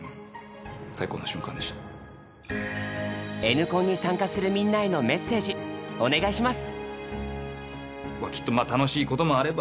「Ｎコン」に参加するみんなへのメッセージお願いします！